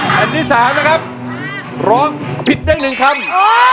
แผ่นที่๓นะครับร้องผิดได้๑คำ